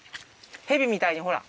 ヘビみたいにほら。